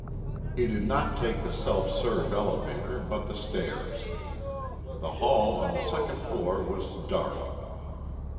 He did not take the self serve elevator, but the stairs. The hall on the second floor was dark.